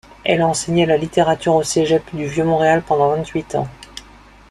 Elle a enseigné la littérature au Cégep du Vieux Montréal pendant vingt-huit ans.